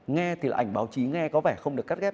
nghe thì là ảnh báo chí nghe có vẻ không được cắt ghép